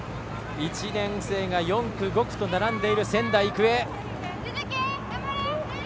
１年生が４区、５区と並んでいる仙台育英。